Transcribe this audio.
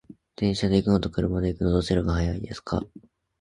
電車で行くのと車で行くの、どちらが早いですか？